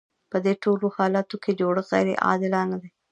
په دې ټولو حالاتو کې جوړښت غیر عادلانه دی.